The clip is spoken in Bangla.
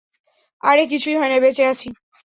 আরে কিছুই হয়নি, বেঁচে আছি।